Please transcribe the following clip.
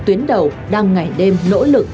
tuyến đầu đang ngày đêm nỗ lực